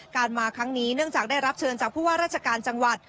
มาครั้งนี้เนื่องจากได้รับเชิญจากผู้ว่าราชการจังหวัด